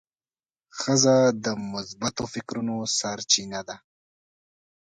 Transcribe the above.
ښځه د مثبت فکرونو سرچینه ده.